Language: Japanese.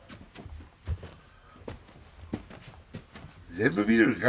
全部見るんか？